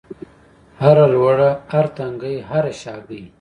هره لوړه، هر تنګی هره شاګۍ